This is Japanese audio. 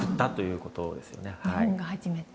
日本が初めて。